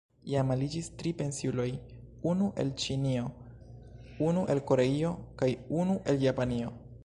Jam aliĝis tri pensiuloj: unu el Ĉinio, unu el Koreio kaj unu el Japanio.